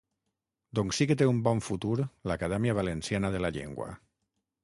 Doncs sí que té un bon futur, l'Acadèmia Valenciana de la Llengua!